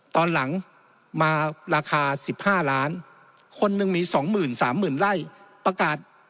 ตอนหลังมาราคา๑๕ล้านคนหนึ่งมี๒๓๐๐๐ไร่ประกาศ